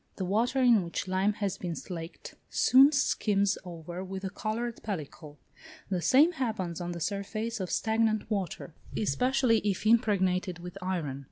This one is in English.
The water in which lime has been slaked soon skims over with a coloured pellicle: the same happens on the surface of stagnant water, especially if impregnated with iron.